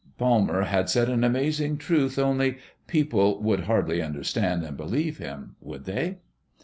Palmer had said an amazing truth, only people would hardly understand and believe him.... Would they?